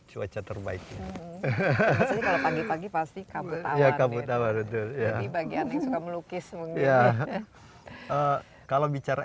cuaca terbaik ini pagi pagi pasti kamu ya kamu tahu bagian yang suka melukis ya kalau bicara